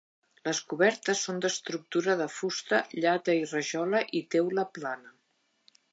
Les cobertes són d'estructura de fusta, llata i rajola i teula plana.